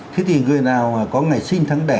thì người nào có ngày sinh thắng đẻ